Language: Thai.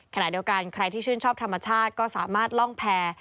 ขณะเดียวกันใครที่ชื่นชอบธรรมชาติก็สามารถล่องแพร่